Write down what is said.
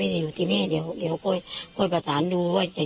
แต่นักคนนะไม่มีใครบอกความจริงของตัวเองหรอก